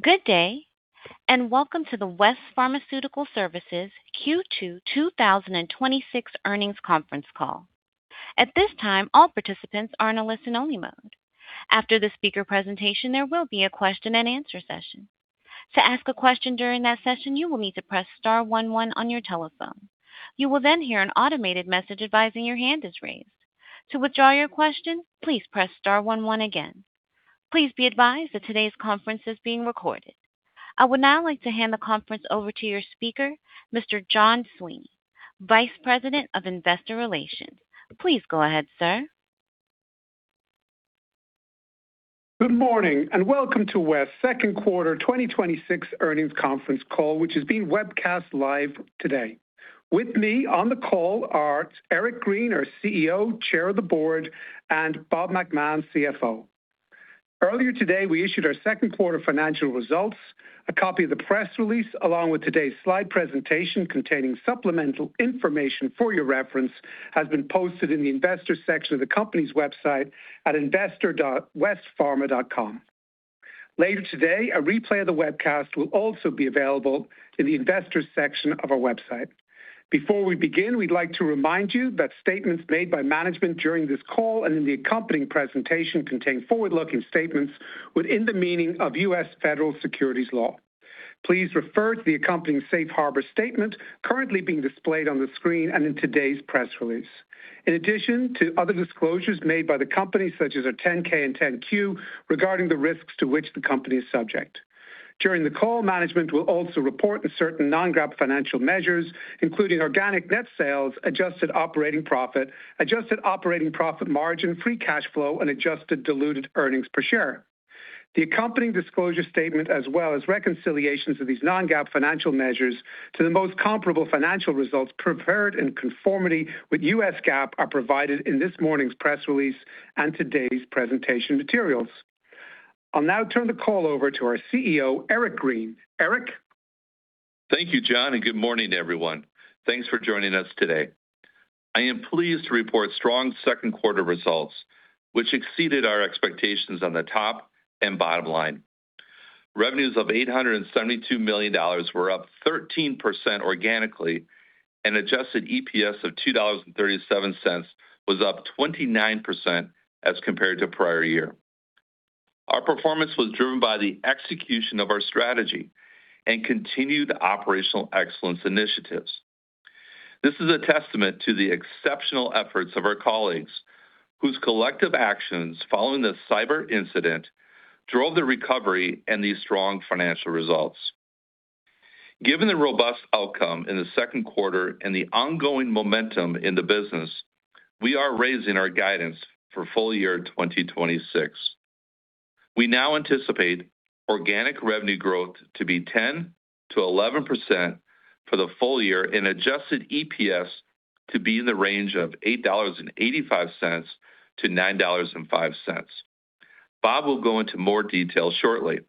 Good day, welcome to the West Pharmaceutical Services Q2 2026 Earnings Conference Call. At this time, all participants are in a listen-only mode. After the speaker presentation, there will be a question and answer session. To ask a question during that session, you will need to press star one one on your telephone. You will then hear an automated message advising your hand is raised. To withdraw your question, please press star one one again. Please be advised that today's conference is being recorded. I would now like to hand the conference over to your speaker, Mr. John Sweeney, Vice President of Investor Relations. Please go ahead, sir. Good morning, welcome to West's second quarter 2026 earnings conference call, which is being webcast live today. With me on the call are Eric Green, our CEO, Chair of the Board, and Bob McMahon, CFO. Earlier today, we issued our second quarter financial results. A copy of the press release, along with today's slide presentation containing supplemental information for your reference, has been posted in the Investors section of the company's website at investor.westpharma.com. Later today, a replay of the webcast will also be available in the Investors section of our website. Before we begin, we'd like to remind you that statements made by management during this call and in the accompanying presentation contain forward-looking statements within the meaning of U.S. federal securities law. Please refer to the accompanying Safe Harbor statement currently being displayed on the screen and in today's press release. In addition to other disclosures made by the company, such as our 10-K and 10-Q regarding the risks to which the company is subject. During the call, management will also report on certain non-GAAP financial measures, including organic net sales, adjusted operating profit, adjusted operating profit margin, free cash flow, and adjusted diluted earnings per share. The accompanying disclosure statement, as well as reconciliations of these non-GAAP financial measures to the most comparable financial results prepared in conformity with U.S. GAAP, are provided in this morning's press release and today's presentation materials. I'll now turn the call over to our CEO, Eric Green. Eric? Thank you, John, good morning, everyone. Thanks for joining us today. I am pleased to report strong second-quarter results, which exceeded our expectations on the top and bottom line. Revenues of $872 million were up 13% organically, and adjusted EPS of $2.37 was up 29% as compared to prior year. Our performance was driven by the execution of our strategy and continued operational excellence initiatives. This is a testament to the exceptional efforts of our colleagues, whose collective actions following the cyber incident drove the recovery and these strong financial results. Given the robust outcome in the second quarter and the ongoing momentum in the business, we are raising our guidance for full year 2026. We now anticipate organic revenue growth to be 10%-11% for the full year and adjusted EPS to be in the range of $8.85-$9.05. Bob will go into more detail shortly.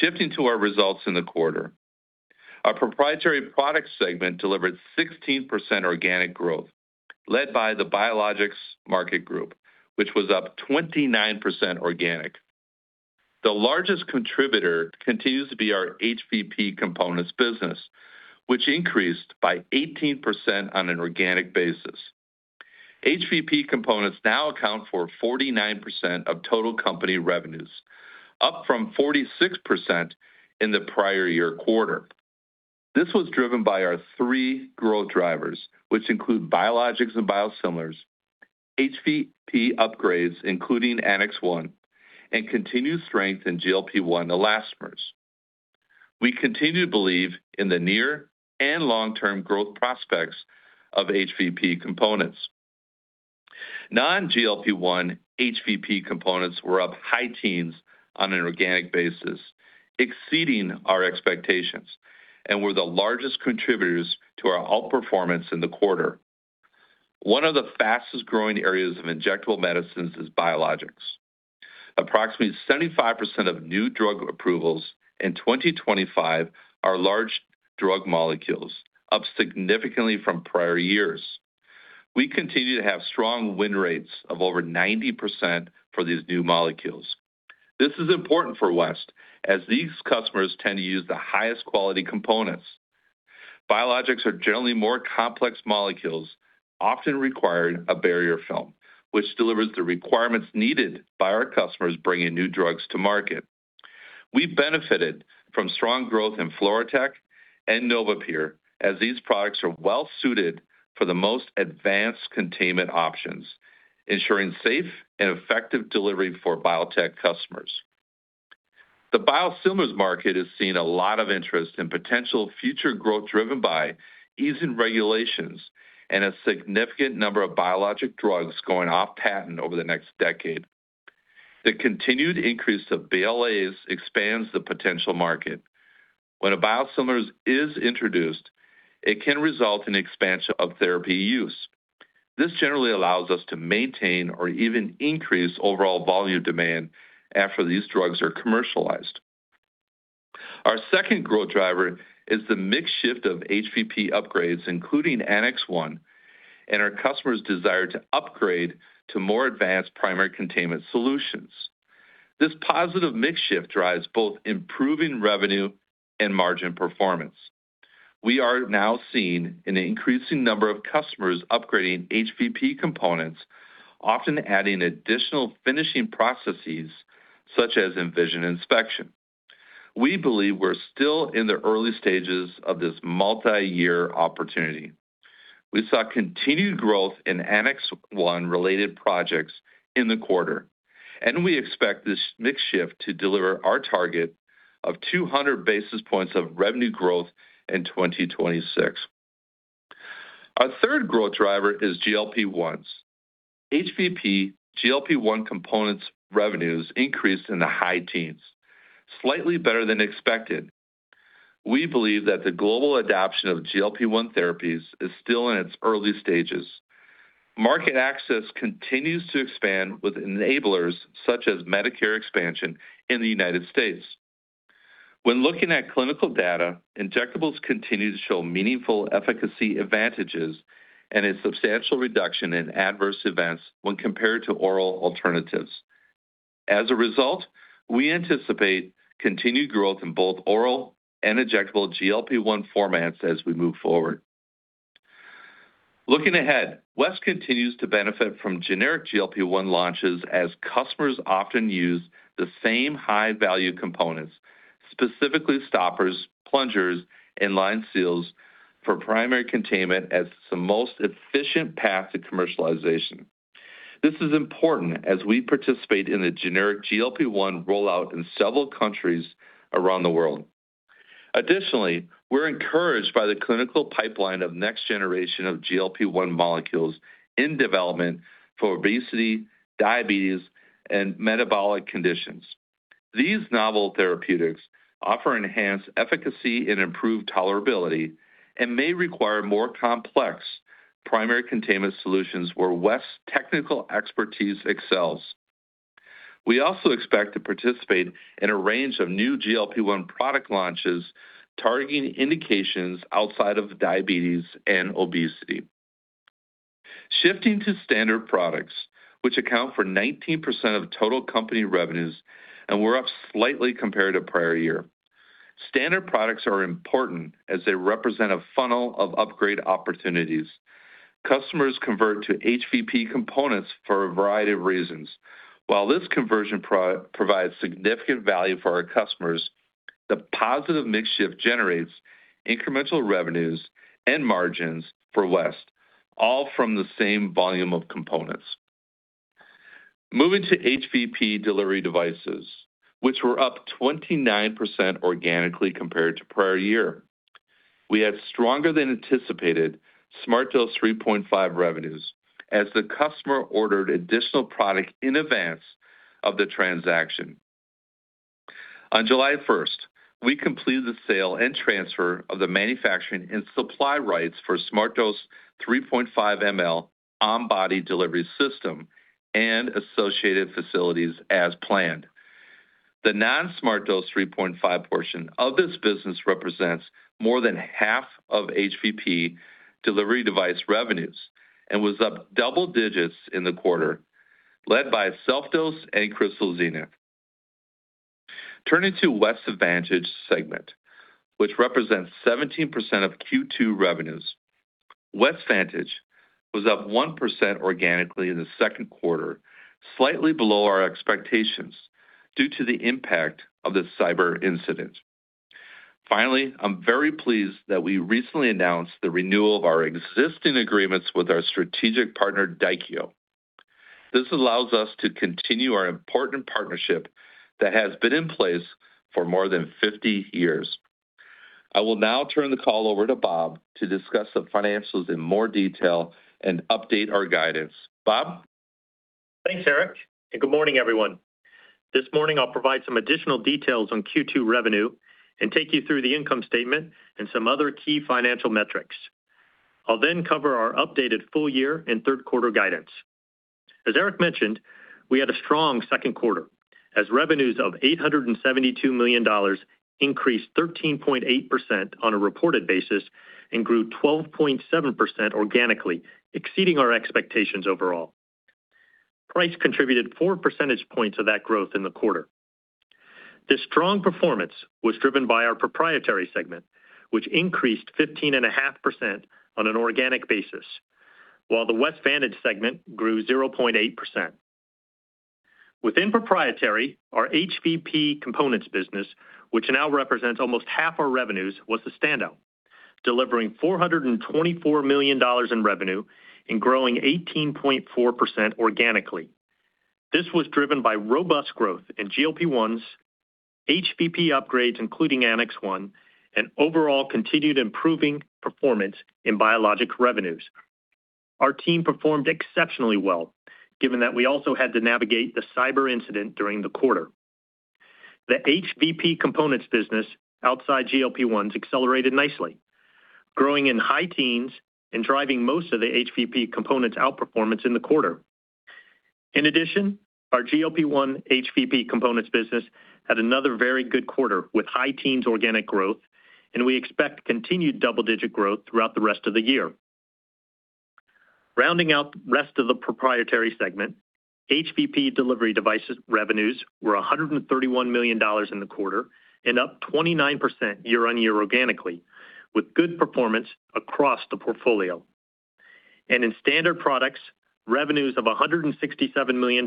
Shifting to our results in the quarter. Our Proprietary Products segment delivered 16% organic growth, led by the biologics market group, which was up 29% organic. The largest contributor continues to be our HVP components business, which increased by 18% on an organic basis. HVP components now account for 49% of total company revenues, up from 46% in the prior year quarter. This was driven by our three growth drivers, which include biologics and biosimilars, HVP upgrades, including Annex 1, and continued strength in GLP-1 elastomers. We continue to believe in the near and long-term growth prospects of HVP components. Non-GLP-1 HVP components were up high teens on an organic basis, exceeding our expectations and were the largest contributors to our outperformance in the quarter. One of the fastest-growing areas of injectable medicines is biologics. Approximately 75% of new drug approvals in 2025 are large drug molecules, up significantly from prior years. We continue to have strong win rates of over 90% for these new molecules. This is important for West, as these customers tend to use the highest quality components. biologics are generally more complex molecules, often requiring a barrier film, which delivers the requirements needed by our customers bringing new drugs to market. We benefited from strong growth in FluroTec and NovaPure, as these products are well-suited for the most advanced containment options, ensuring safe and effective delivery for biotech customers. The biosimilars market has seen a lot of interest and potential future growth driven by easing regulations and a significant number of biologic drugs going off patent over the next decade. The continued increase of BLAs expands the potential market. When a biosimilar is introduced, it can result in expansion of therapy use. This generally allows us to maintain or even increase overall volume demand after these drugs are commercialized. Our second growth driver is the mix shift of HVP upgrades, including Annex 1, and our customers' desire to upgrade to more advanced primary containment solutions. This positive mix shift drives both improving revenue and margin performance. We are now seeing an increasing number of customers upgrading HVP components, often adding additional finishing processes such as Envision inspection. We believe we're still in the early stages of this multi-year opportunity. We saw continued growth in Annex 1 related projects in the quarter, and we expect this mix shift to deliver on our target of 200 basis points of revenue growth in 2026. Our third growth driver is GLP-1s. HVP GLP-1 components revenues increased in the high teens, slightly better than expected. We believe that the global adoption of GLP-1 therapies is still in its early stages. Market access continues to expand with enablers such as Medicare expansion in the United States. When looking at clinical data, injectables continue to show meaningful efficacy advantages and a substantial reduction in adverse events when compared to oral alternatives. As a result, we anticipate continued growth in both oral and injectable GLP-1 formats as we move forward. Looking ahead, West continues to benefit from generic GLP-1 launches as customers often use the same high-value components, specifically stoppers, plungers, and line seals for primary containment as the most efficient path to commercialization. This is important as we participate in the generic GLP-1 rollout in several countries around the world. Additionally, we're encouraged by the clinical pipeline of next generation of GLP-1 molecules in development for obesity, diabetes, and metabolic conditions. These novel therapeutics offer enhanced efficacy and improved tolerability and may require more complex primary containment solutions where West's technical expertise excels. We also expect to participate in a range of new GLP-1 product launches targeting indications outside of diabetes and obesity. Shifting to Standard Products, which account for 19% of total company revenues and were up slightly compared to prior year. Standard Products are important as they represent a funnel of upgrade opportunities. Customers convert to HVP components for a variety of reasons. While this conversion provides significant value for our customers, the positive mix shift generates incremental revenues and margins for West, all from the same volume of components. Moving to HVP delivery devices, which were up 29% organically compared to prior year. We had stronger than anticipated SmartDose 3.5 revenues as the customer ordered additional product in advance of the transaction. On July 1st, we completed the sale and transfer of the manufacturing and supply rights for SmartDose 3.5mL on-body delivery system and associated facilities as planned. The non-SmartDose 3.5 portion of this business represents more than half of HVP delivery device revenues and was up double digits in the quarter, led by SelfDose and Crystal Zenith. Turning to West Vantage segment, which represents 17% of Q2 revenues. West Vantage was up 1% organically in the second quarter, slightly below our expectations due to the impact of the cyber incident. Finally, I'm very pleased that we recently announced the renewal of our existing agreements with our strategic partner, Daikyo. This allows us to continue our important partnership that has been in place for more than 50 years. I will now turn the call over to Bob to discuss the financials in more detail and update our guidance. Bob? Thanks, Eric, and good morning, everyone. This morning I'll provide some additional details on Q2 revenue and take you through the income statement and some other key financial metrics. I'll then cover our updated full year and third quarter guidance. As Eric mentioned, we had a strong second quarter as revenues of $872 million increased 13.8% on a reported basis and grew 12.7% organically, exceeding our expectations overall. Price contributed four percentage points of that growth in the quarter. This strong performance was driven by our proprietary segment, which increased 15.5% on an organic basis, while the West Vantage segment grew 0.8%. Within proprietary, our HVP components business, which now represents almost half our revenues, was the standout, delivering $424 million in revenue and growing 18.4% organically. This was driven by robust growth in GLP-1s, HVP upgrades including Annex 1, and overall continued improving performance in biologic revenues. Our team performed exceptionally well given that we also had to navigate the cyber incident during the quarter. The HVP components business outside GLP-1s accelerated nicely, growing in high teens and driving most of the HVP components outperformance in the quarter. In addition, our GLP-1 HVP components business had another very good quarter with high teens organic growth, and we expect continued double-digit growth throughout the rest of the year. Rounding out the rest of the proprietary segment, HVP delivery devices revenues were $131 million in the quarter and up 29% year-on-year organically, with good performance across the portfolio. In Standard Products, revenues of $167 million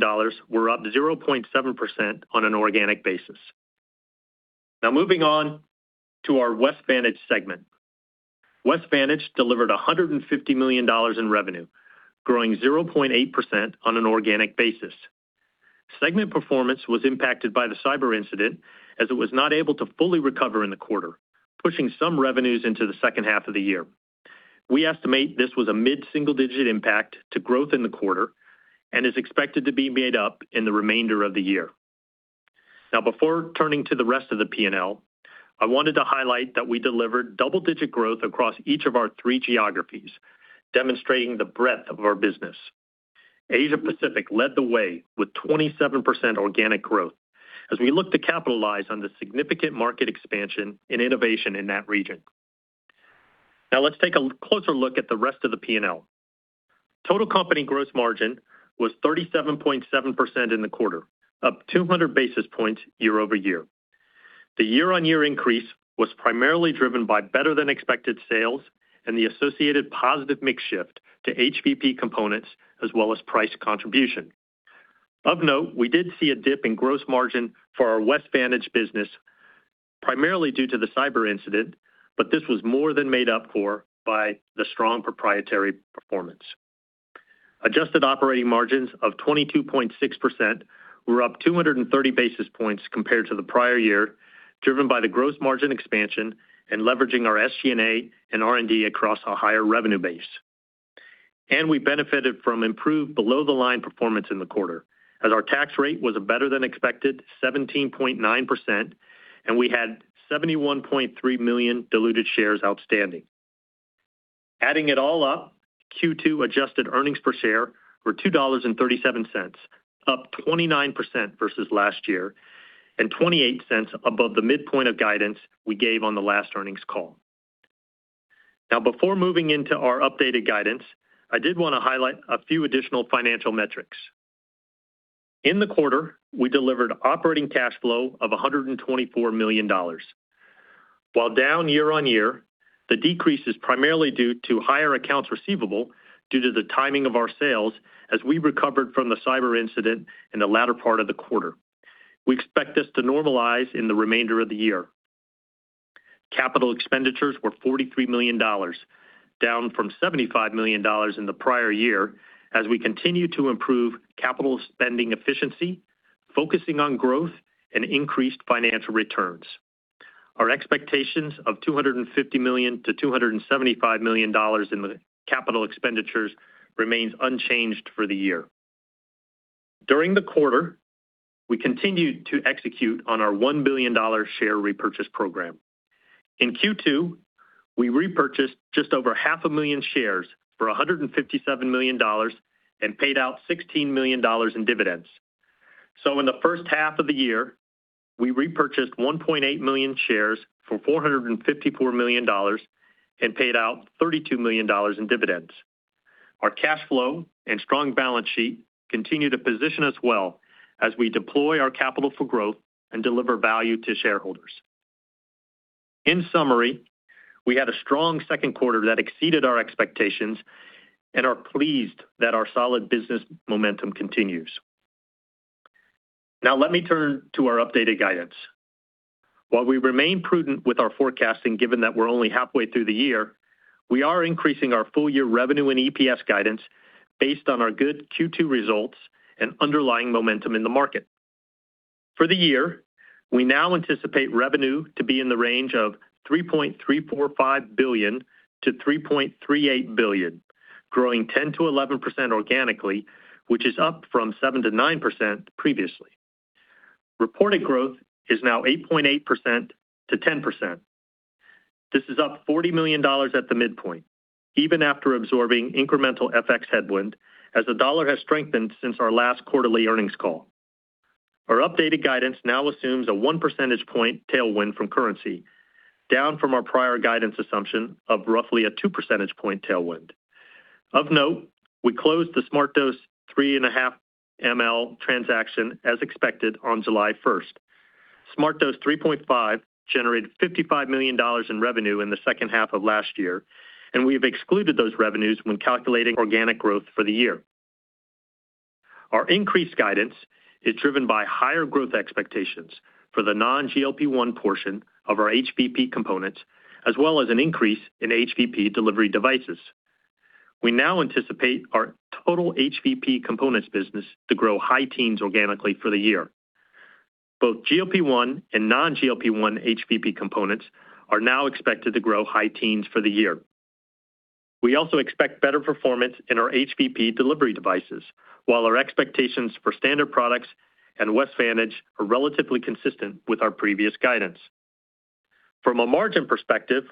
were up 0.7% on an organic basis. Moving on to our West Vantage segment. West Vantage delivered $150 million in revenue, growing 0.8% on an organic basis. Segment performance was impacted by the cyber incident, as it was not able to fully recover in the quarter, pushing some revenues into the second half of the year. We estimate this was a mid-single-digit impact to growth in the quarter and is expected to be made up in the remainder of the year. Before turning to the rest of the P&L, I wanted to highlight that we delivered double-digit growth across each of our three geographies, demonstrating the breadth of our business. Asia Pacific led the way with 27% organic growth as we look to capitalize on the significant market expansion and innovation in that region. Let's take a closer look at the rest of the P&L. Total company gross margin was 37.7% in the quarter, up 200 basis points year-over-year. The year-on-year increase was primarily driven by better-than-expected sales and the associated positive mix shift to HVP components, as well as price contribution. Of note, we did see a dip in gross margin for our West Vantage business, primarily due to the cyber incident, but this was more than made up for by the strong proprietary performance. Adjusted operating margins of 22.6% were up 230 basis points compared to the prior year, driven by the gross margin expansion and leveraging our SG&A and R&D across a higher revenue base. We benefited from improved below-the-line performance in the quarter as our tax rate was a better-than-expected 17.9%, and we had 71.3 million diluted shares outstanding. Adding it all up, Q2 adjusted earnings per share were $2.37, up 29% versus last year, and $0.28 above the midpoint of guidance we gave on the last earnings call. Before moving into our updated guidance, I did want to highlight a few additional financial metrics. In the quarter, we delivered operating cash flow of $124 million. While down year-on-year, the decrease is primarily due to higher accounts receivable due to the timing of our sales as we recovered from the cyber incident in the latter part of the quarter. We expect this to normalize in the remainder of the year. Capital Expenditures were $43 million, down from $75 million in the prior year as we continue to improve capital spending efficiency, focusing on growth and increased financial returns. Our expectations of $250 million-$275 million in the Capital Expenditures remains unchanged for the year. During the quarter, we continued to execute on our $1 billion share repurchase program. In Q2, we repurchased just over 0.5 million shares for $157 million and paid out $16 million in dividends. In the first half of the year, we repurchased 1.8 million shares for $454 million and paid out $32 million in dividends. Our cash flow and strong balance sheet continue to position us well as we deploy our capital for growth and deliver value to shareholders. In summary, we had a strong second quarter that exceeded our expectations and are pleased that our solid business momentum continues. Now let me turn to our updated guidance. While we remain prudent with our forecasting, given that we are only halfway through the year, we are increasing our full-year revenue and EPS guidance based on our good Q2 results and underlying momentum in the market. For the year, we now anticipate revenue to be in the range of $3.345 billion-$3.38 billion, growing 10%-11% organically, which is up from 7%-9% previously. Reported growth is now 8.8%-10%. This is up $40 million at the midpoint, even after absorbing incremental FX headwind as the dollar has strengthened since our last quarterly earnings call. Our updated guidance now assumes a 1 percentage point tailwind from currency, down from our prior guidance assumption of roughly a 2 percentage point tailwind. Of note, we closed the SmartDose 3.5mL transaction as expected on July 1st. SmartDose 3.5 generated $55 million in revenue in the second half of last year, and we have excluded those revenues when calculating organic growth for the year. Our increased guidance is driven by higher growth expectations for the non-GLP-1 portion of our HVP components, as well as an increase in HVP delivery devices. We now anticipate our total HVP components business to grow high teens organically for the year. Both GLP-1 and non-GLP-1 HVP components are now expected to grow high teens for the year. We also expect better performance in our HVP delivery devices, while our expectations for Standard Products and West Vantage are relatively consistent with our previous guidance. From a margin perspective,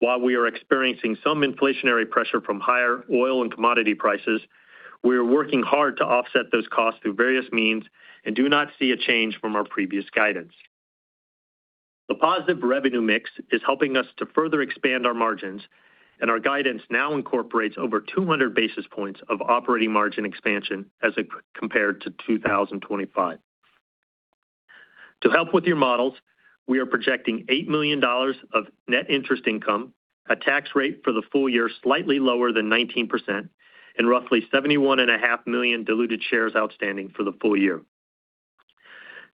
while we are experiencing some inflationary pressure from higher oil and commodity prices, we are working hard to offset those costs through various means and do not see a change from our previous guidance. The positive revenue mix is helping us to further expand our margins, and our guidance now incorporates over 200 basis points of operating margin expansion as compared to 2025. To help with your models, we are projecting $8 million of net interest income, a tax rate for the full year slightly lower than 19%, and roughly 71.5 million diluted shares outstanding for the full year.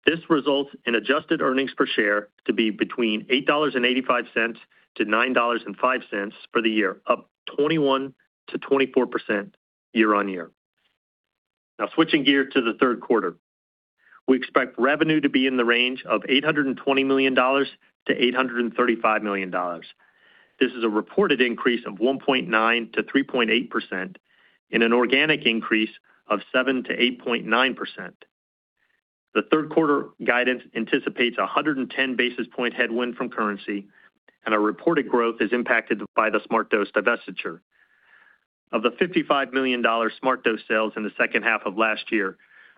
This results in adjusted earnings per share to be between $8.85-$9.05 for the year, up 21%-24% year-over-year. Switching gear to the third quarter. We expect revenue to be in the range of $820 million-$835 million. This is a reported increase of 1.9%-3.8%, and an organic increase of 7%-8.9%. The third quarter guidance anticipates a 110 basis point headwind from currency, and our reported growth is impacted by the SmartDose divestiture. Of the $55 million SmartDose sales in the second half of last year,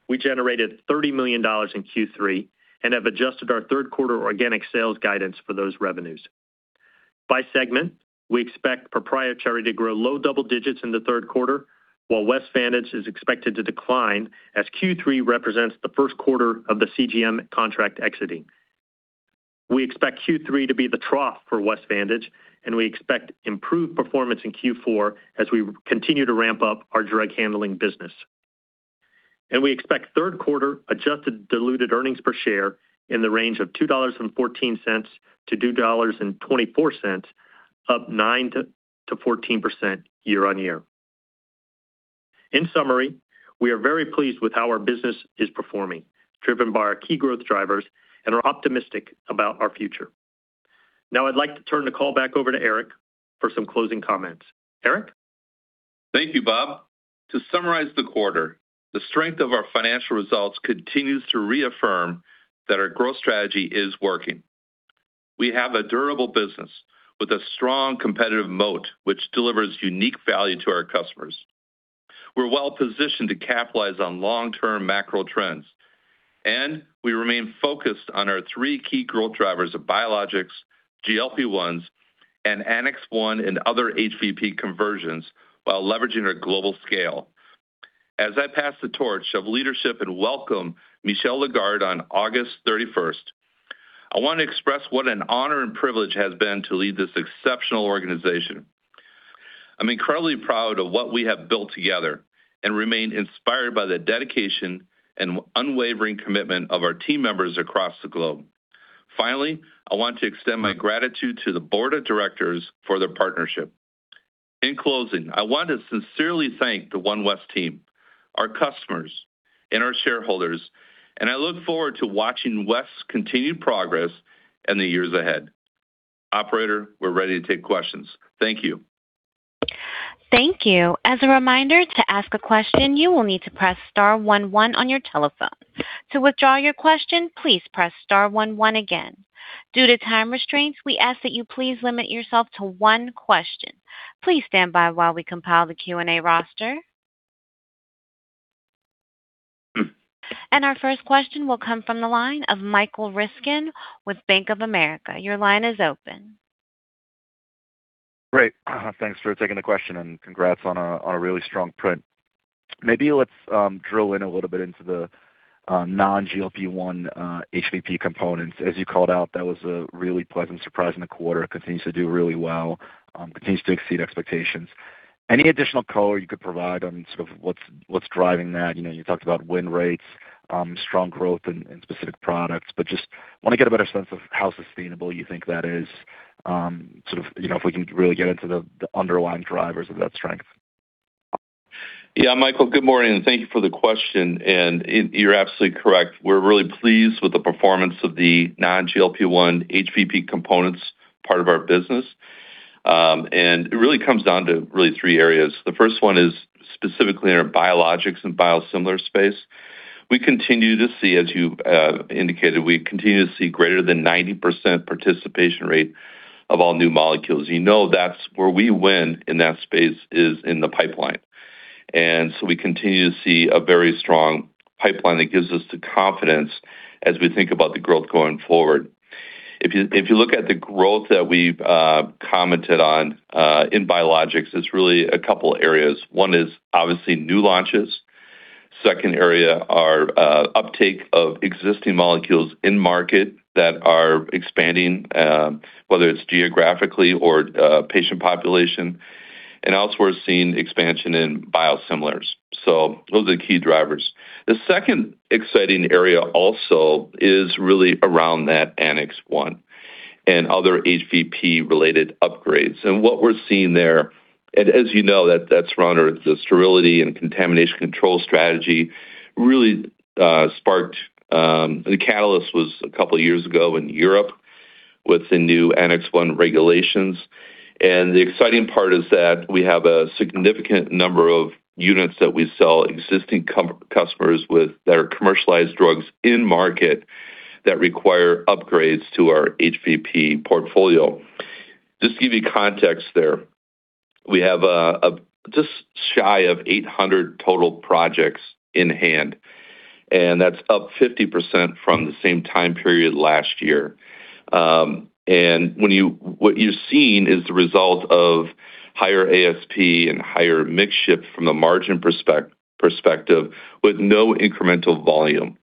we generated $30 million in Q3 and have adjusted our third quarter organic sales guidance for those revenues. By segment, we expect proprietary to grow low double digits in the third quarter, while West Vantage is expected to decline as Q3 represents the first quarter of the CGM contract exiting. We expect Q3 to be the trough for West Vantage, and we expect improved performance in Q4 as we continue to ramp up our drug handling business. We expect third quarter adjusted diluted earnings per share in the range of $2.14 to $2.24, up 9%-14% year-on-year. In summary, we are very pleased with how our business is performing, driven by our key growth drivers, and are optimistic about our future. Now I'd like to turn the call back over to Eric for some closing comments. Eric? Thank you, Bob. To summarize the quarter, the strength of our financial results continues to reaffirm that our growth strategy is working. We have a durable business with a strong competitive moat, which delivers unique value to our customers. We are well-positioned to capitalize on long-term macro trends, and we remain focused on our three key growth drivers of biologics, GLP-1s, and Annex 1 and other HVP conversions while leveraging our global scale. As I pass the torch of leadership and welcome Michel Lagarde on August 31st, I want to express what an honor and privilege has been to lead this exceptional organization. I am incredibly proud of what we have built together and remain inspired by the dedication and unwavering commitment of our team members across the globe. Finally, I want to extend my gratitude to the Board of Directors for their partnership. In closing, I want to sincerely thank the OneWestTeam, our customers, and our shareholders. I look forward to watching West's continued progress in the years ahead. Operator, we are ready to take questions. Thank you. Thank you. As a reminder, to ask a question, you will need to press star one one on your telephone. To withdraw your question, please press star one one again. Due to time restraints, we ask that you please limit yourself to one question. Please stand by while we compile the Q&A roster. Our first question will come from the line of Michael Ryskin with Bank of America. Your line is open. Great. Thanks for taking the question, congrats on a really strong print. Maybe let's drill in a little bit into the non-GLP-1 HVP components. As you called out, that was a really pleasant surprise in the quarter. Continues to do really well, continues to exceed expectations. Any additional color you could provide on sort of what's driving that? You talked about win rates, strong growth in specific products, just want to get a better sense of how sustainable you think that is, sort of if we can really get into the underlying drivers of that strength. Michael, good morning, thank you for the question. You're absolutely correct. We're really pleased with the performance of the non-GLP-1 HVP components part of our business. It really comes down to really three areas. The first one is specifically in our biologics and biosimilar space. As you've indicated, we continue to see greater than 90% participation rate of all new molecules. You know, that's where we win in that space is in the pipeline. We continue to see a very strong pipeline that gives us the confidence as we think about the growth going forward. If you look at the growth that we've commented on in biologics, it's really a couple areas. One is obviously new launches. Second area are uptake of existing molecules in-market that are expanding, whether it's geographically or patient population. Else we're seeing expansion in biosimilars. Those are the key drivers. The second exciting area also is really around that Annex 1 and other HVP-related upgrades. What we're seeing there, and as you know, that's around the sterility and contamination control strategy. The catalyst was a couple years ago in Europe with the new Annex 1 regulations. The exciting part is that we have a significant number of units that we sell existing customers with their commercialized drugs in market that require upgrades to our HVP portfolio. Just to give you context there, we have just shy of 800 total projects in hand, that's up 50% from the same time period last year. What you've seen is the result of higher ASP and higher mix shift from the margin perspective with no incremental volume.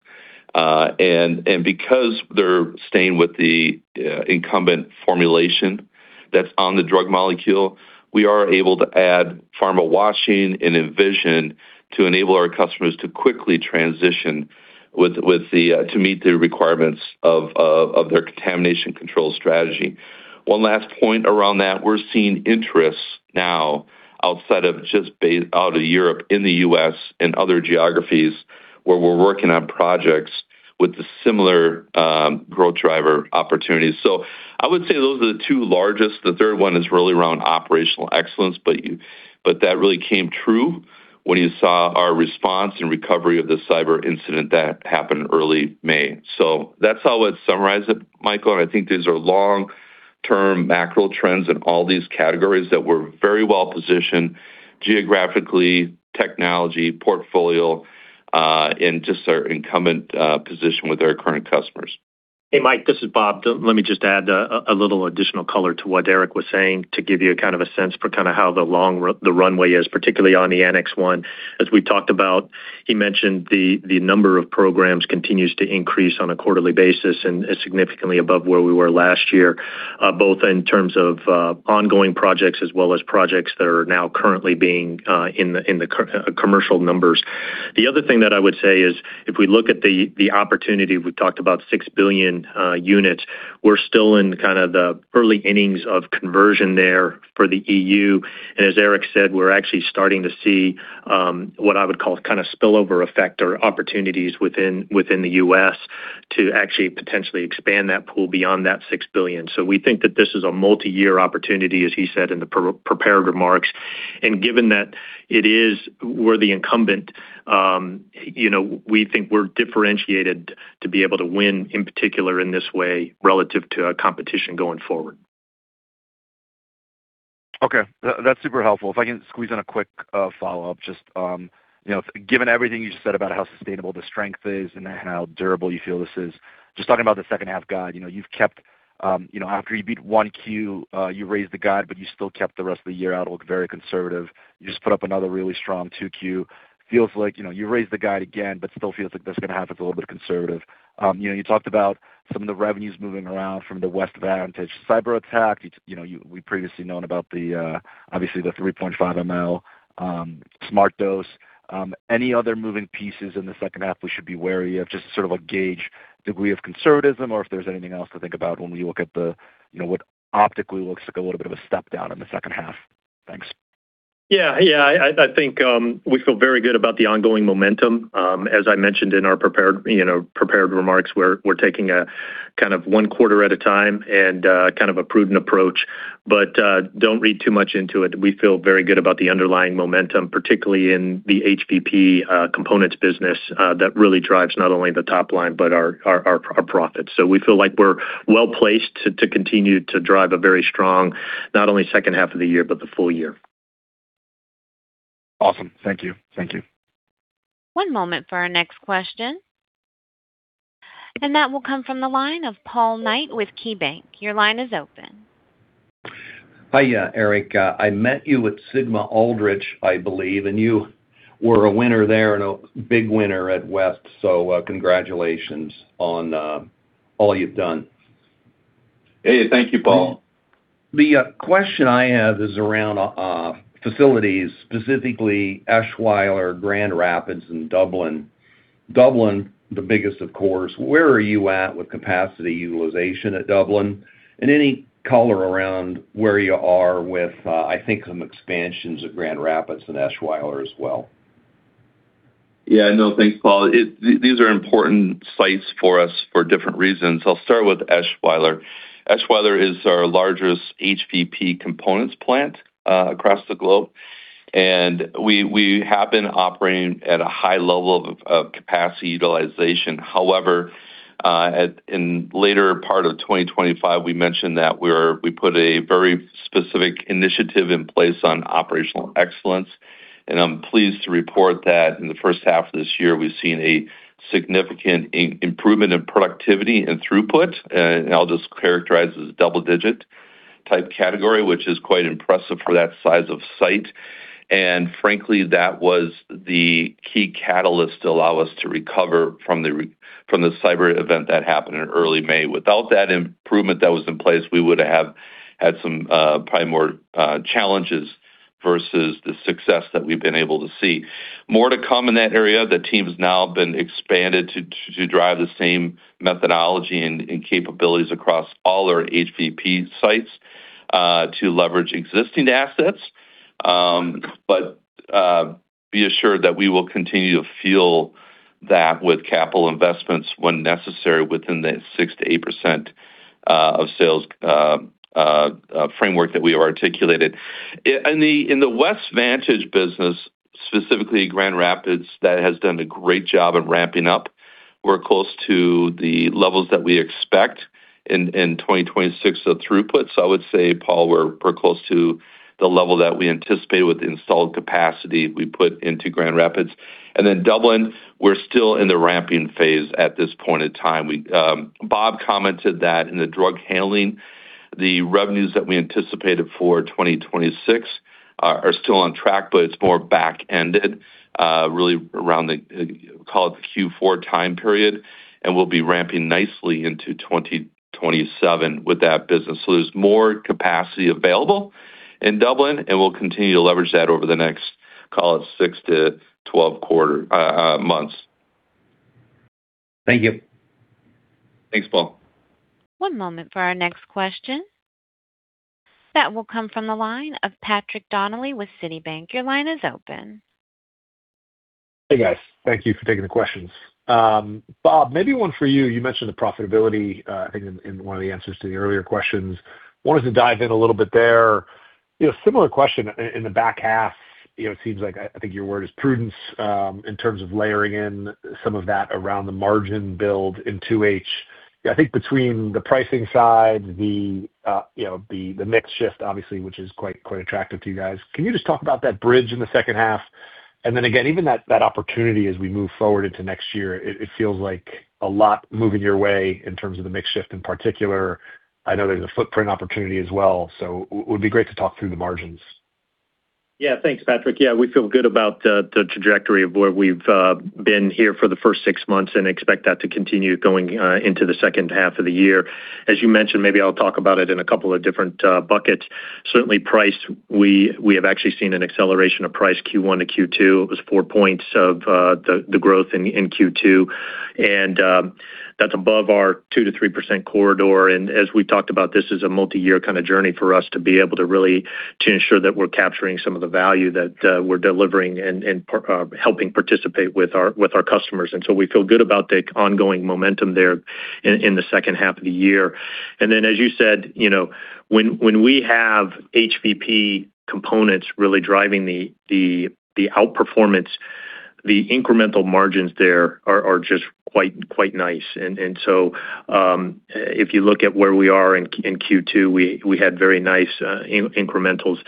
Because they're staying with the incumbent formulation that's on the drug molecule, we are able to add pharma washing and Envision to enable our customers to quickly transition to meet the requirements of their contamination control strategy. One last point around that, we're seeing interest now outside of just out of Europe, in the U.S. and other geographies where we're working on projects with the similar growth driver opportunities. I would say those are the two largest. The third one is really around operational excellence, that really came true when you saw our response and recovery of the cyber incident that happened early May. That's how I would summarize it, Michael, I think these are long-term macro trends in all these categories that we're very well-positioned geographically, technology, portfolio, and just our incumbent position with our current customers. Hey, Mike, this is Bob. Let me just add a little additional color to what Eric was saying to give you a sense for how the runway is, particularly on the Annex 1. As we talked about, he mentioned the number of programs continues to increase on a quarterly basis and is significantly above where we were last year, both in terms of ongoing projects as well as projects that are now currently being in the commercial numbers. The other thing that I would say is, if we look at the opportunity, we've talked about 6 billion units. We're still in the early innings of conversion there for the E.U.. As Eric said, we're actually starting to see what I would call spillover effect or opportunities within the U.S. to actually potentially expand that pool beyond that 6 billion. We think that this is a multi-year opportunity, as he said in the prepared remarks, given that we're the incumbent, we think we're differentiated to be able to win, in particular, in this way relative to our competition going forward. Okay. That's super helpful. If I can squeeze in a quick follow-up, just given everything you just said about how sustainable the strength is and how durable you feel this is, just talking about the second half guide, after you beat 1Q, you raised the guide, you still kept the rest of the year out very conservative. You just put up another really strong 2Q. You raised the guide again, still feels like this going to happen is a little bit conservative. You talked about some of the revenues moving around from the West Vantage cyberattack. We previously known about the, obviously, the 3.5mL SmartDose. Any other moving pieces in the second half we should be wary of, just sort of a gauge degree of conservatism or if there's anything else to think about when we look at what optically looks like a little bit of a step down in the second half? Thanks. Yeah. I think we feel very good about the ongoing momentum. As I mentioned in our prepared remarks, we're taking one quarter at a time and a prudent approach. Don't read too much into it. We feel very good about the underlying momentum, particularly in the HVP components business that really drives not only the top line, but our profits. We feel like we're well-placed to continue to drive a very strong, not only second half of the year, but the full year. Awesome. Thank you. Thank you. One moment for our next question. That will come from the line of Paul Knight with KeyBanc. Your line is open. Hi, Eric. I met you at Sigma-Aldrich, I believe, and you were a winner there and a big winner at West, congratulations on all you've done. Hey, thank you, Paul. The question I have is around facilities, specifically Eschweiler, Grand Rapids, and Dublin. Dublin, the biggest, of course. Where are you at with capacity utilization at Dublin? Any color around where you are with, I think, some expansions of Grand Rapids and Eschweiler as well. Yeah. No, thanks, Paul. These are important sites for us for different reasons. I'll start with Eschweiler. Eschweiler is our largest HVP components plant across the globe, and we have been operating at a high level of capacity utilization. However, in later part of 2025, we mentioned that we put a very specific initiative in place on operational excellence, and I'm pleased to report that in the first half of this year, we've seen a significant improvement in productivity and throughput. I'll just characterize as double-digit type category, which is quite impressive for that size of site. Frankly, that was the key catalyst to allow us to recover from the cyber event that happened in early May. Without that improvement that was in place, we would have had some probably more challenges versus the success that we've been able to see. More to come in that area. The team's now been expanded to drive the same methodology and capabilities across all our HVP sites to leverage existing assets. Be assured that we will continue to fuel that with capital investments when necessary, within the 6%-8% of sales framework that we have articulated. In the West Vantage business, specifically Grand Rapids, that has done a great job of ramping up. We're close to the levels that we expect in 2026 of throughput. I would say, Paul, we're close to the level that we anticipate with the installed capacity we put into Grand Rapids. Then Dublin, we're still in the ramping phase at this point in time. Bob commented that in the drug handling, the revenues that we anticipated for 2026 are still on track, but it's more back-ended, really around the, call it, the Q4 time period, and we'll be ramping nicely into 2027 with that business. There's more capacity available in Dublin, and we'll continue to leverage that over the next, call it, 6-12 months. Thank you. Thanks, Paul. One moment for our next question. That will come from the line of Patrick Donnelly with Citibank. Your line is open. Hey, guys. Thank you for taking the questions. Bob, maybe one for you. You mentioned the profitability, I think in one of the answers to the earlier questions. Wanted to dive in a little bit there. Similar question in the back half, it seems like, I think your word is prudence, in terms of layering in some of that around the margin build in 2H. I think between the pricing side, the mix shift, obviously, which is quite attractive to you guys. Can you just talk about that bridge in the second half? Again, even that opportunity as we move forward into next year, it feels like a lot moving your way in terms of the mix shift in particular. I know there's a footprint opportunity as well, so it would be great to talk through the margins. Thanks, Patrick. We feel good about the trajectory of where we've been here for the first six months and expect that to continue going into the second half of the year. As you mentioned, maybe I'll talk about it in a couple of different buckets. Certainly price, we have actually seen an acceleration of price Q1 to Q2. It was 4 points of the growth in Q2, and that's above our 2%-3% corridor. As we talked about, this is a multi-year kind of journey for us to be able to really to ensure that we're capturing some of the value that we're delivering and helping participate with our customers. We feel good about the ongoing momentum there in the second half of the year. As you said, when we have HVP components really driving the outperformance, the incremental margins there are just quite nice. If you look at where we are in Q2, we had very nice incrementals.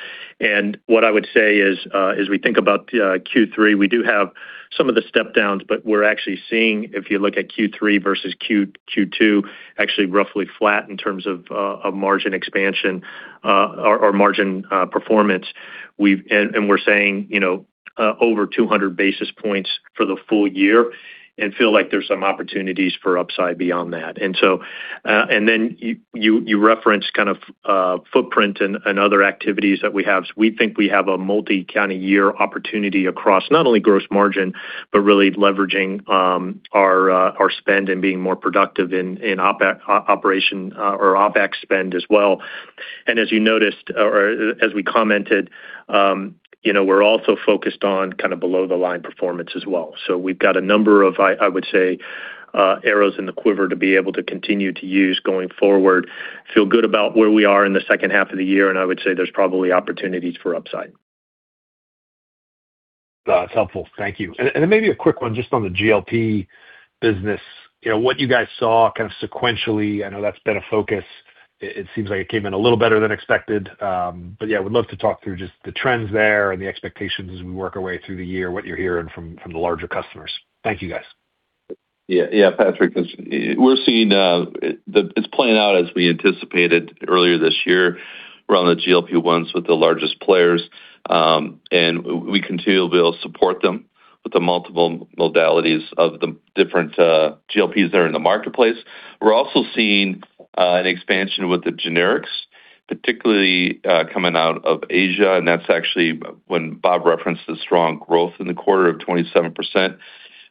What I would say is as we think about Q3, we do have some of the step downs, but we're actually seeing, if you look at Q3 versus Q2, actually roughly flat in terms of margin expansion or margin performance. We're saying over 200 basis points for the full year and feel like there's some opportunities for upside beyond that. You referenced footprint and other activities that we have. We think we have a multi-year opportunity across not only gross margin, but really leveraging our spend and being more productive in operation or OpEx spend as well. As you noticed, or as we commented, we're also focused on below-the-line performance as well. We've got a number of, I would say, arrows in the quiver to be able to continue to use going forward. We feel good about where we are in the second half of the year, and I would say there's probably opportunities for upside. That's helpful. Thank you. Maybe a quick one just on the GLP business, what you guys saw kind of sequentially. I know that's been a focus. It seems like it came in a little better than expected. Would love to talk through just the trends there and the expectations as we work our way through the year, what you're hearing from the larger customers. Thank you, guys. Patrick, it's playing out as we anticipated earlier this year. We're on the GLP-1s with the largest players, and we continue to be able to support them with the multiple modalities of the different GLPs that are in the marketplace. We're also seeing an expansion with the generics, particularly coming out of Asia, and that's actually when Bob referenced the strong growth in the quarter of 27%.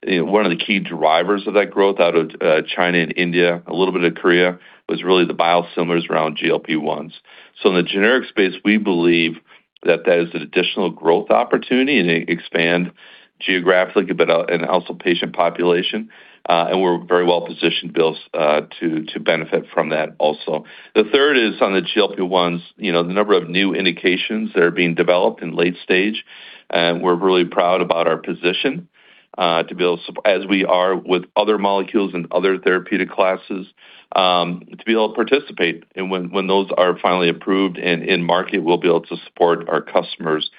One of the key drivers of that growth out of China and India, a little bit of Korea, was really the biosimilars around GLP-1s. In the generic space, we believe that that is an additional growth opportunity, and they expand geographically and also patient population. We're very well positioned, Bill, to benefit from that also. The third is on the GLP-1s, the number of new indications that are being developed in late stage, and we're really proud about our position to be able to participate. When those are finally approved and in market, we'll be able to support our customers.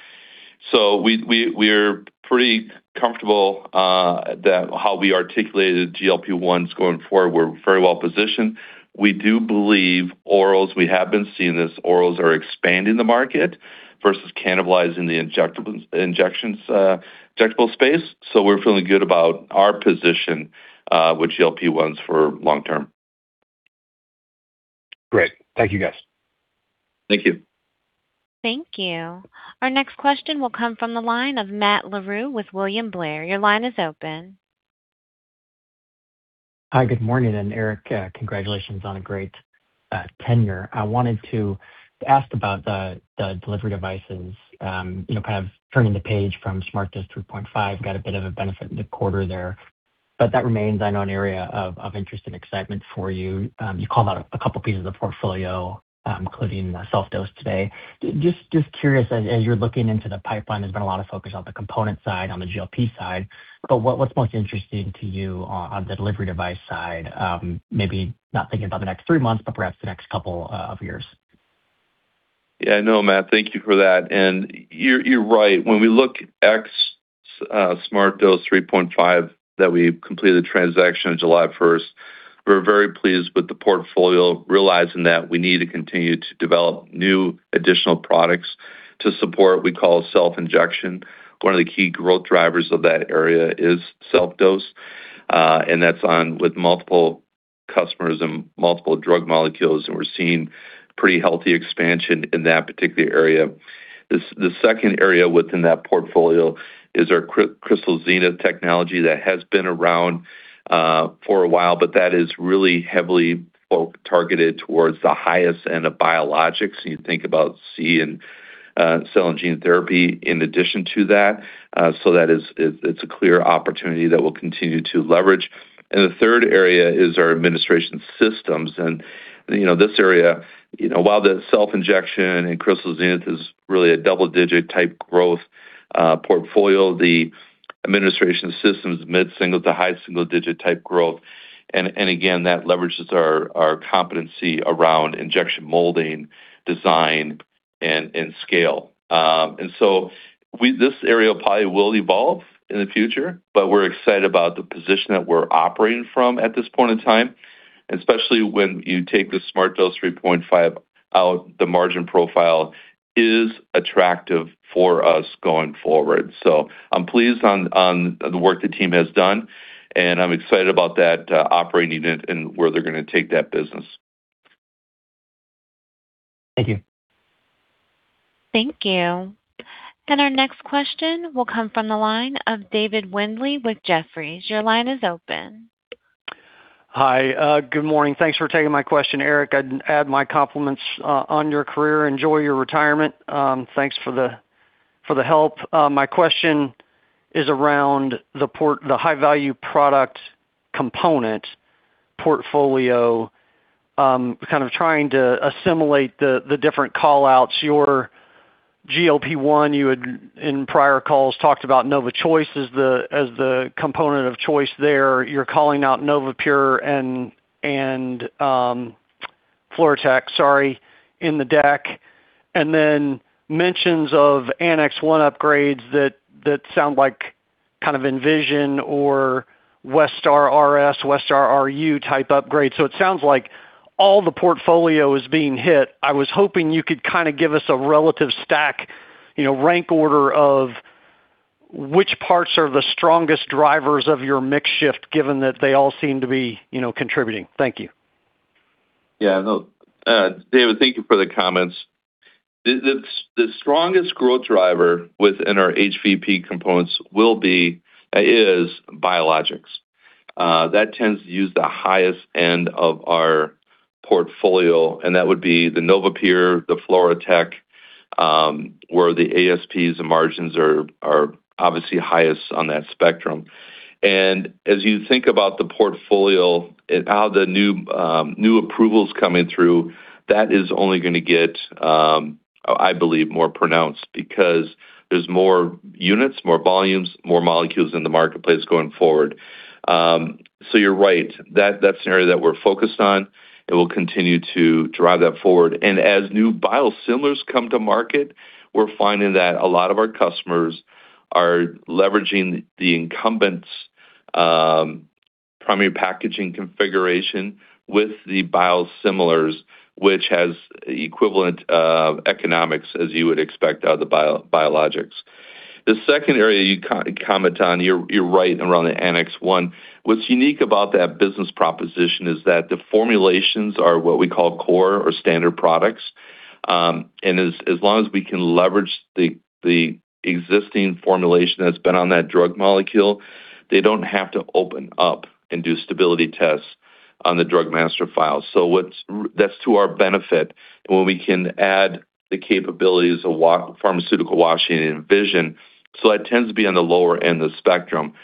We're pretty comfortable that how we articulated GLP-1s going forward, we're very well positioned. We do believe orals, we have been seeing this, orals are expanding the market versus cannibalizing the injectable space. We're feeling good about our position with GLP-1s for long term. Great. Thank you, guys. Thank you. Thank you. Our next question will come from the line of Matt Larew with William Blair. Your line is open. Hi, good morning. Eric, congratulations on a great tenure. I wanted to ask about the delivery devices, kind of turning the page from SmartDose 3.5mL, got a bit of a benefit in the quarter there, but that remains an area of interest and excitement for you. You called out a couple pieces of portfolio, including SelfDose today. Just curious, as you're looking into the pipeline, there's been a lot of focus on the component side, on the GLP side, but what's most interesting to you on the delivery device side? Maybe not thinking about the next three months, but perhaps the next couple of years. Yeah, I know, Matt. Thank you for that. You're right. When we look ex SmartDose 3.5 that we completed the transaction on July 1st, we're very pleased with the portfolio, realizing that we need to continue to develop new additional products to support what we call self-injection. One of the key growth drivers of that area is SelfDose, and that's on with multiple customers and multiple drug molecules, and we're seeing pretty healthy expansion in that particular area. The second area within that portfolio is our Crystal Zenith technology. That has been around for a while, but that is really heavily targeted towards the highest end of biologics. You think about cell and gene therapy in addition to that. That is a clear opportunity that we'll continue to leverage. The third area is our administration systems. This area, while the self-injection and Crystal Zenith is really a double-digit type growth portfolio, the administration system's mid-single to high single digit type growth. Again, that leverages our competency around injection molding, design, and scale. This area probably will evolve in the future, but we're excited about the position that we're operating from at this point in time, especially when you take the SmartDose 3.5 out, the margin profile is attractive for us going forward. I'm pleased on the work the team has done, and I'm excited about that operating it and where they're going to take that business. Thank you. Thank you. Our next question will come from the line of David Windley with Jefferies. Your line is open. Hi. Good morning. Thanks for taking my question. Eric, I'd add my compliments on your career. Enjoy your retirement. Thanks for the help. My question is around the High-Value Product components portfolio, kind of trying to assimilate the different call-outs. Your GLP-1, you had in prior calls, talked about NovaChoice as the component of choice there. You're calling out NovaPure and FluroTec, sorry, in the deck. Then mentions of Annex 1 upgrades that sound like kind of Envision or Westar RS, Westar RU type upgrades. It sounds like all the portfolio is being hit. I was hoping you could kind of give us a relative stack, rank order of which parts are the strongest drivers of your mix shift, given that they all seem to be contributing. Thank you. David, thank you for the comments. The strongest growth driver within our HVP components is biologics. That tends to use the highest end of our portfolio, and that would be the NovaPure, the FluroTec, where the ASPs and margins are obviously highest on that spectrum. As you think about the portfolio and how the new approvals coming through, that is only going to get, I believe, more pronounced because there's more units, more volumes, more molecules in the marketplace going forward. You're right. That's an area that we're focused on, and we'll continue to drive that forward. As new biosimilars come to market, we're finding that a lot of our customers are leveraging the incumbent's primary packaging configuration with the biosimilars, which has equivalent economics as you would expect out of the biologics. The second area you comment on, you're right around the Annex 1. What's unique about that business proposition is that the formulations are what we call core or Standard Products. As long as we can leverage the existing formulation that's been on that drug molecule, they don't have to open up and do stability tests on the Drug Master File. That's to our benefit when we can add the capabilities of pharmaceutical washing and Envision. That tends to be on the lower end of the spectrum,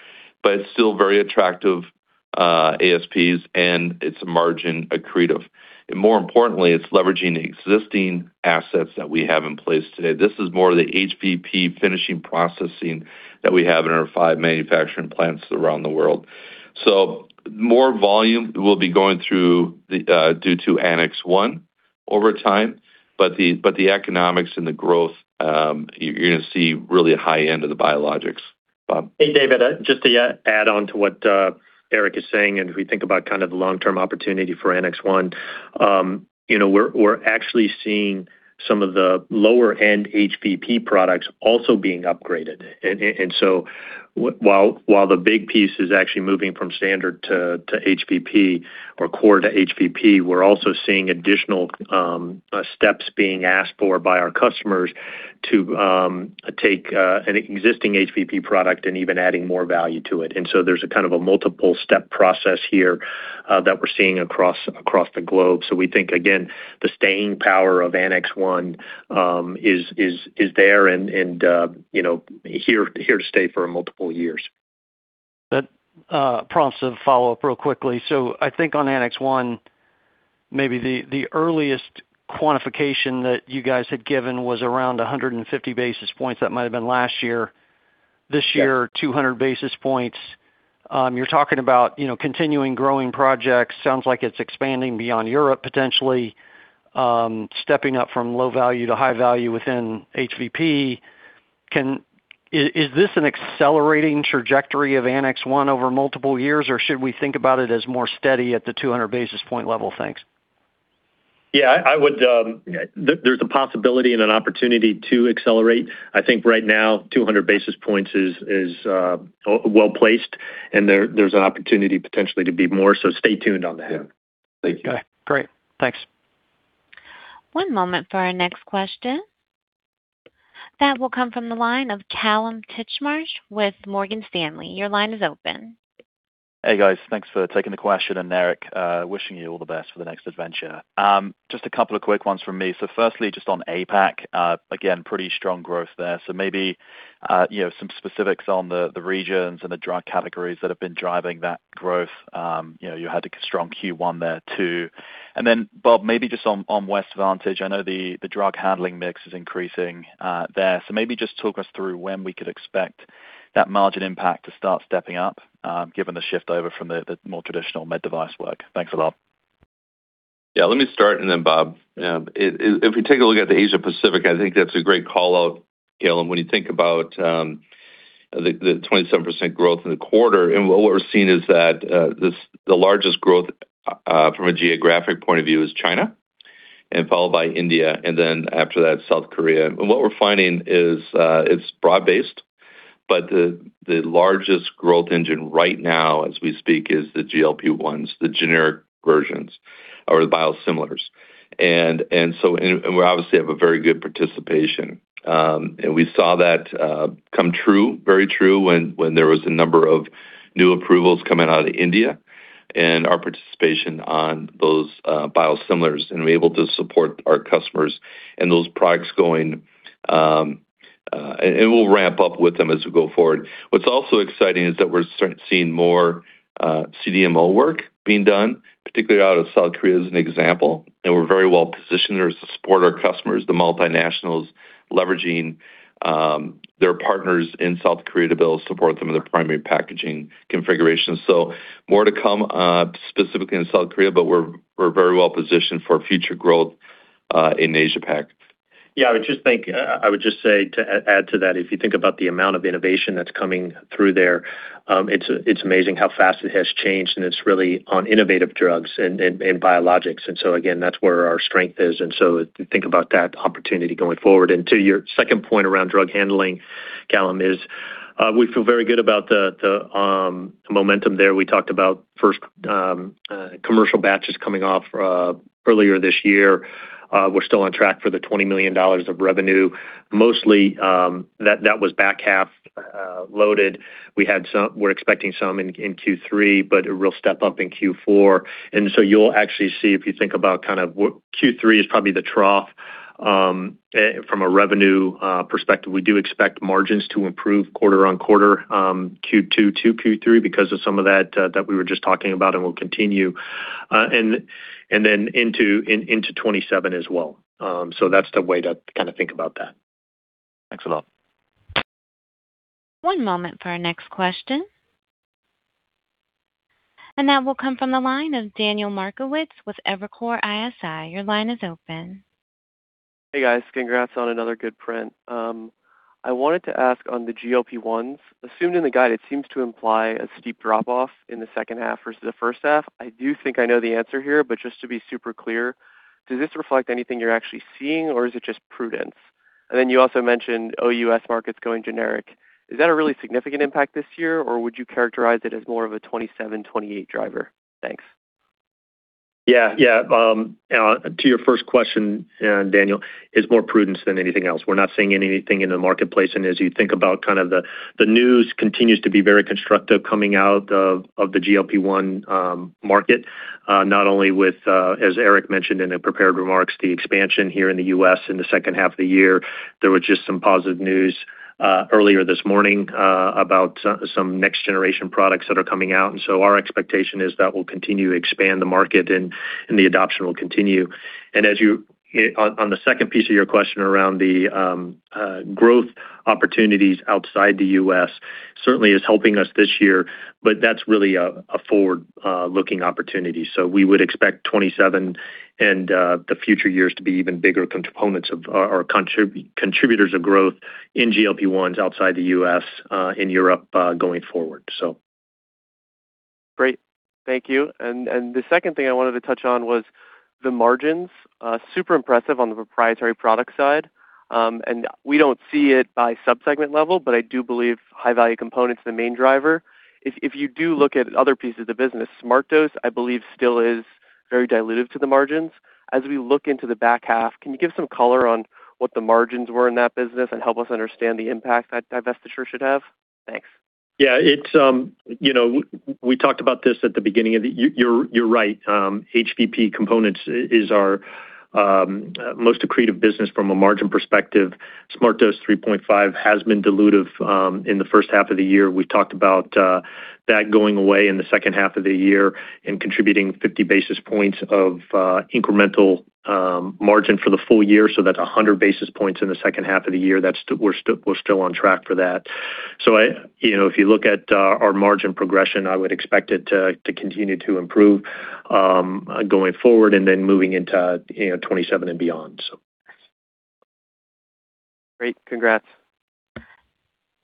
but it's still very attractive ASPs and it's margin accretive. More importantly, it's leveraging the existing assets that we have in place today. This is more the HVP finishing processing that we have in our five manufacturing plants around the world. More volume will be going through due to Annex 1 over time, but the economics and the growth, you're going to see really a high end of the biologics. Bob? Hey, David, just to add on to what Eric is saying, if we think about kind of the long-term opportunity for Annex 1, we're actually seeing some of the lower-end HVP products also being upgraded. While the big piece is actually moving from standard to HVP or core to HVP, we're also seeing additional steps being asked for by our customers to take an existing HVP product and even adding more value to it. There's a kind of a multiple step process here that we're seeing across the globe. We think, again, the staying power of Annex 1 is there and here to stay for multiple years. That prompts a follow-up real quickly. I think on Annex 1, maybe the earliest quantification that you guys had given was around 150 basis points. That might have been last year. This year 200 basis points. You're talking about continuing growing projects. Sounds like it's expanding beyond Europe, potentially, stepping up from low value to high value within HVP. Is this an accelerating trajectory of Annex 1 over multiple years, or should we think about it as more steady at the 200 basis point level? Thanks. Yeah. There's a possibility and an opportunity to accelerate. I think right now 200 basis points is well-placed and there's an opportunity potentially to be more. Stay tuned on that. Thank you. Great. Thanks. One moment for our next question. That will come from the line of Kallum Titchmarsh with Morgan Stanley. Your line is open. Hey, guys. Thanks for taking the question. Eric, wishing you all the best for the next adventure. Just a couple of quick ones from me. Firstly, just on APAC, again, pretty strong growth there. Maybe some specifics on the regions and the drug categories that have been driving that growth. You had a strong Q1 there too. Bob, maybe just on West Vantage, I know the drug handling mix is increasing there. Maybe just talk us through when we could expect that margin impact to start stepping up given the shift over from the more traditional med device work. Thanks a lot. Yeah, let me start. Bob, if we take a look at the Asia Pacific, I think that's a great call-out, Kallum. When you think about the 27% growth in the quarter, what we're seeing is that the largest growth from a geographic point of view is China, followed by India, after that, South Korea. What we're finding is it's broad-based, but the largest growth engine right now as we speak is the GLP-1s, the generic versions or the biosimilars. We obviously have a very good participation. We saw that come very true when there was a number of new approvals coming out of India, our participation on those biosimilars, we're able to support our customers and those products going. We'll ramp up with them as we go forward. What's also exciting is that we're seeing more CDMO work being done, particularly out of South Korea, as an example, we're very well-positioned to support our customers, the multinationals, leveraging their partners in South Korea to be able to support them in their primary packaging configuration. More to come specifically in South Korea, but we're very well-positioned for future growth in Asia-Pac. Yeah, I would just say to add to that, if you think about the amount of innovation that's coming through there, it's amazing how fast it has changed, it's really on innovative drugs and biologics. Again, that's where our strength is. Think about that opportunity going forward. To your second point around drug handling, Kallum, is we feel very good about the momentum there. We talked about first commercial batches coming off earlier this year. We're still on track for the $20 million of revenue. Mostly, that was back half loaded. We're expecting some in Q3, but a real step up in Q4. You'll actually see, if you think about kind of what Q3 is probably the trough from a revenue perspective. We do expect margins to improve quarter-on-quarter, Q2 to Q3 because of some of that we were just talking about, and will continue, and then into 2027 as well. That's the way to kind of think about that. Thanks a lot. One moment for our next question. That will come from the line of Daniel Markowitz with Evercore ISI. Your line is open. Hey, guys. Congrats on another good print. I wanted to ask on the GLP-1s, assumed in the guide, it seems to imply a steep drop-off in the second half versus the first half. I do think I know the answer here, but just to be super clear, does this reflect anything you're actually seeing or is it just prudence? Then you also mentioned OUS markets going generic. Is that a really significant impact this year, or would you characterize it as more of a 2027, 2028 driver? Thanks. Yeah. To your first question, Daniel, is more prudence than anything else. We're not seeing anything in the marketplace, and as you think about kind of the news continues to be very constructive coming out of the GLP-1 market, not only with, as Eric mentioned in the prepared remarks, the expansion here in the U.S. in the second half of the year. There was just some positive news earlier this morning about some next generation products that are coming out. Our expectation is that we'll continue to expand the market and the adoption will continue. On the second piece of your question around the growth opportunities outside the U.S. certainly is helping us this year, but that's really a forward-looking opportunity. We would expect 2027 and the future years to be even bigger components of our contributors of growth in GLP-1s outside the U.S., in Europe going forward. Great. Thank you. The second thing I wanted to touch on was the margins. Super impressive on the proprietary product side. We don't see it by sub-segment level, but I do believe High-Value Component's the main driver. If you do look at other pieces of the business, SmartDose, I believe, still is very dilutive to the margins. As we look into the back half, can you give some color on what the margins were in that business and help us understand the impact that divestiture should have? Thanks. Yeah. We talked about this at the beginning. You're right. HVP components is our most accretive business from a margin perspective. SmartDose 3.5 has been dilutive in the first half of the year. We've talked about that going away in the second half of the year and contributing 50 basis points of incremental margin for the full year, so that's 100 basis points in the second half of the year. We're still on track for that. If you look at our margin progression, I would expect it to continue to improve going forward and then moving into 2027 and beyond. Great. Congrats.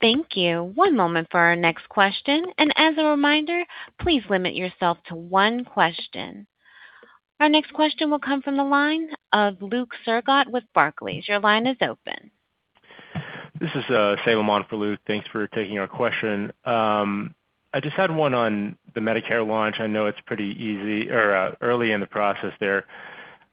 Thank you. One moment for our next question. As a reminder, please limit yourself to one question. Our next question will come from the line of Luke Sergott with Barclays. Your line is open. This is Salem on for Luke. Thanks for taking our question. I just had one on the Medicare launch. I know it's pretty early in the process there.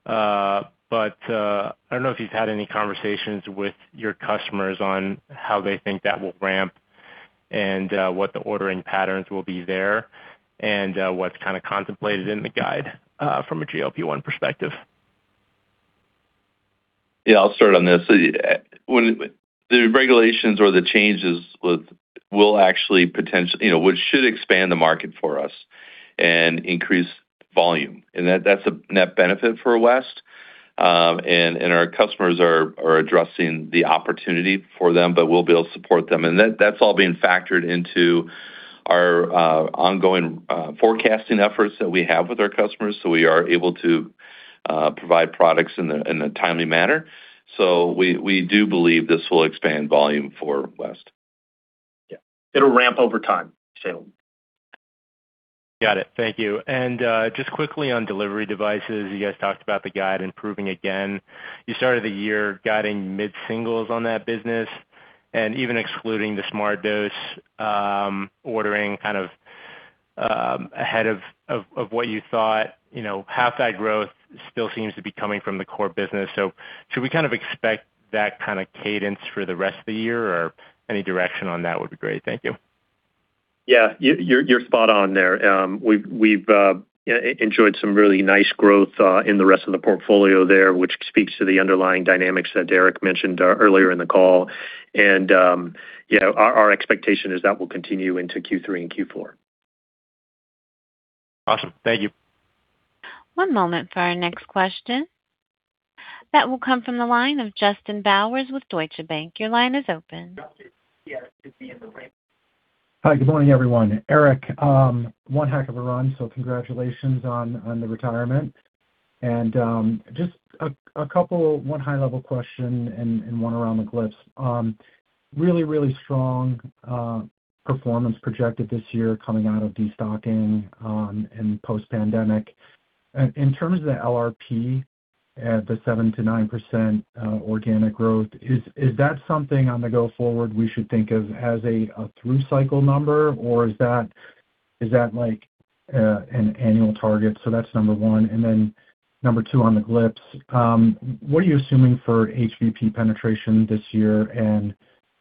I don't know if you've had any conversations with your customers on how they think that will ramp and what the ordering patterns will be there and what's kind of contemplated in the guide from a GLP-1 perspective. I'll start on this. The regulations or the changes should expand the market for us and increase volume. That's a net benefit for West. Our customers are addressing the opportunity for them, but we'll be able to support them. That's all being factored into our ongoing forecasting efforts that we have with our customers, so we are able to provide products in a timely manner. We do believe this will expand volume for West. It'll ramp over time, Salem. Got it. Thank you. Just quickly on delivery devices, you guys talked about the guide improving again. You started the year guiding mid-singles on that business. Even excluding the SmartDose ordering kind of ahead of what you thought, half that growth still seems to be coming from the core business. Should we kind of expect that kind of cadence for the rest of the year? Any direction on that would be great. Thank you. You're spot on there. We've enjoyed some really nice growth in the rest of the portfolio there, which speaks to the underlying dynamics that Eric mentioned earlier in the call. Our expectation is that will continue into Q3 and Q4. Awesome. Thank you. One moment for our next question. That will come from the line of Justin Bowers with Deutsche Bank. Your line is open. Hi. Good morning, everyone. Eric, one heck of a run, so congratulations on the retirement. Just one high-level question and one around the GLPs. Really, really strong performance projected this year coming out of destocking and post-pandemic. In terms of the LRP at the 7%-9% organic growth, is that something on the go forward we should think of as a through cycle number, or is that an annual target? That's number one. Number two on the GLPs, what are you assuming for HVP penetration this year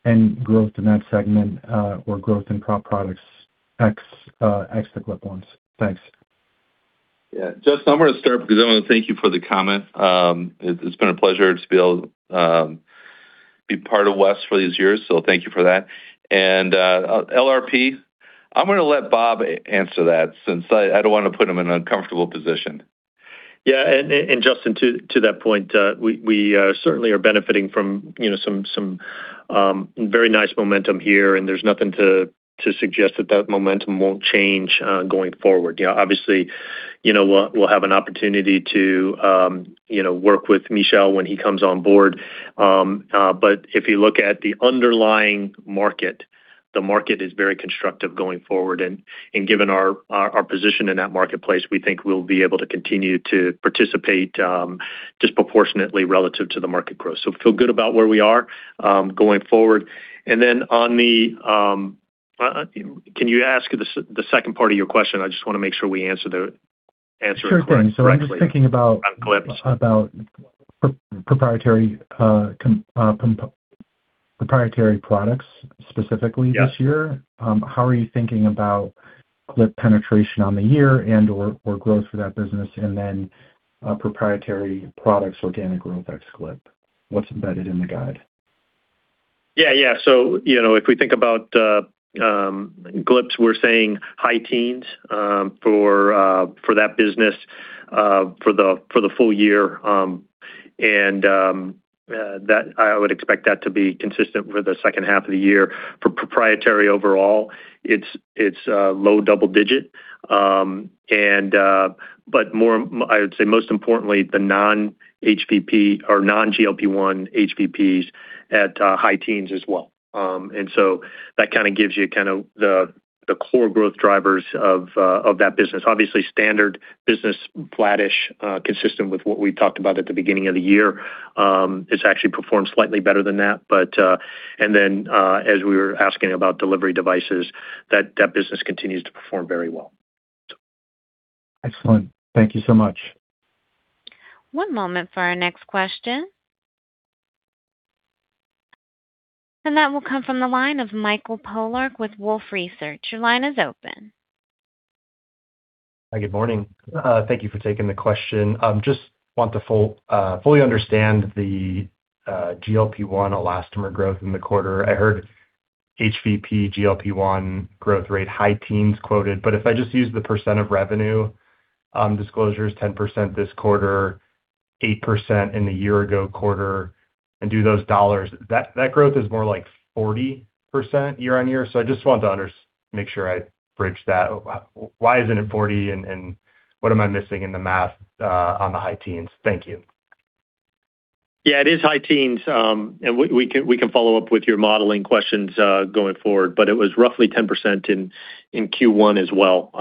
and growth in that segment or growth in products ex the GLP-1s? Thanks. Yeah. Justin, I'm going to start because I want to thank you for the comment. It's been a pleasure to be able to be part of West for these years. Thank you for that. LRP, I'm going to let Bob answer that since I don't want to put him in an uncomfortable position. Yeah. Justin, to that point, we certainly are benefiting from some very nice momentum here, and there's nothing to suggest that momentum won't change going forward. Obviously, we'll have an opportunity to work with Michel when he comes on board. If you look at the underlying market, the market is very constructive going forward. Given our position in that marketplace, we think we'll be able to continue to participate disproportionately relative to the market growth. Feel good about where we are going forward. Then can you ask the second part of your question? I just want to make sure we answer it correctly. Sure thing. I'm just thinking about Proprietary Products specifically this year. How are you thinking about GLP penetration on the year and/or growth for that business? Proprietary Products organic growth ex GLP. What's embedded in the guide? Yeah. If we think about GLPs, we're saying high teens for that business for the full year. I would expect that to be consistent for the second half of the year. For Proprietary overall, it's low double digit. I would say most importantly, the non-GLP-1 HVPs at high teens as well. That kind of gives you the core growth drivers of that business. Obviously, Standard Products flattish consistent with what we talked about at the beginning of the year. It's actually performed slightly better than that. As we were asking about delivery devices, that business continues to perform very well. Excellent. Thank you so much. One moment for our next question. That will come from the line of Michael Polark with Wolfe Research. Your line is open. Hi, good morning. Thank you for taking the question. Just want to fully understand the GLP-1 elastomer growth in the quarter. I heard HVP GLP-1 growth rate high teens quoted, but if I just use the percent of revenue disclosures, 10% this quarter, 8% in the year-ago quarter, and do those dollars. That growth is more like 40% year-on-year. I just want to make sure I bridge that. Why isn't it 40% and what am I missing in the math on the high teens? Thank you. Yeah, it is high teens. We can follow up with your modeling questions going forward. It was roughly 10% in Q1 as well.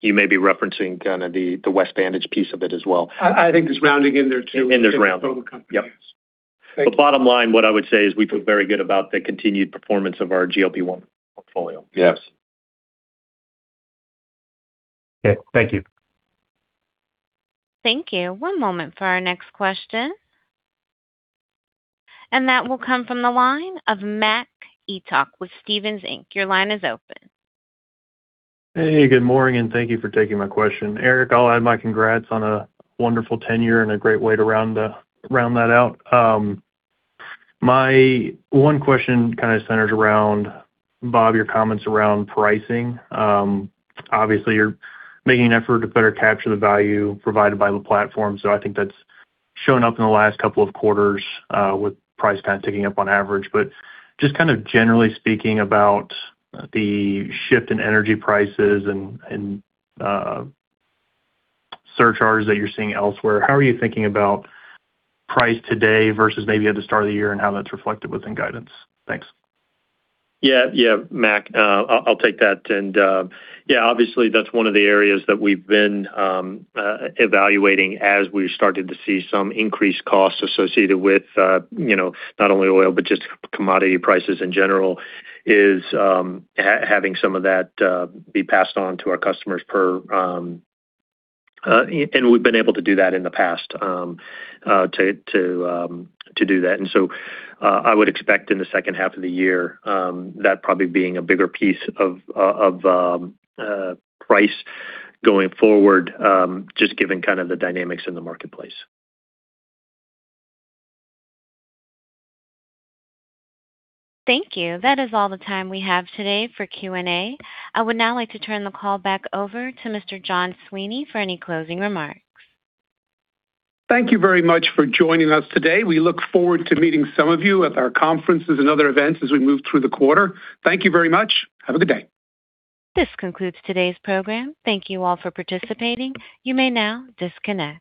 You may be referencing kind of the West Vantage piece of it as well. I think there's rounding in there too. In this round. Yep. Yes. Thank you. The bottom line, what I would say, is we feel very good about the continued performance of our GLP-1 portfolio. Yes. Okay. Thank you. Thank you. One moment for our next question. That will come from the line of Mac Etoch with Stephens Inc. Your line is open. Hey, good morning, thank you for taking my question. Eric, I'll add my congrats on a wonderful tenure and a great way to round that out. My one question kind of centers around, Bob, your comments around pricing. Obviously, you're making an effort to better capture the value provided by the platform. I think that's shown up in the last couple of quarters, with price kind of ticking up on average. Just kind of generally speaking about the shift in energy prices and surcharges that you're seeing elsewhere, how are you thinking about price today versus maybe at the start of the year and how that's reflected within guidance? Thanks. Yeah. Mac, I'll take that. Yeah, obviously, that's one of the areas that we've been evaluating as we've started to see some increased costs associated with not only oil, but just commodity prices in general, is having some of that be passed on to our customers. We've been able to do that in the past, to do that. I would expect in the second half of the year, that probably being a bigger piece of price going forward, just given kind of the dynamics in the marketplace. Thank you. That is all the time we have today for Q&A. I would now like to turn the call back over to Mr. John Sweeney for any closing remarks. Thank you very much for joining us today. We look forward to meeting some of you at our conferences and other events as we move through the quarter. Thank you very much. Have a good day. This concludes today's program. Thank you all for participating. You may now disconnect.